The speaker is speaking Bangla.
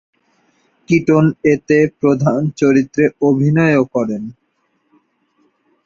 কিটন এতে প্রধান চরিত্রে অভিনয়ও করেন।